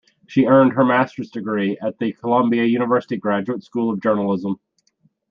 She earned her master's degree at the Columbia University Graduate School of Journalism.